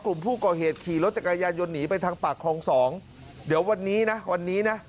กลุ่มผู้ก่อเหตุขี่รถจักรยานยนต์หนีไปทางปากคลองสองเดี๋ยววันนี้นะวันนี้นะ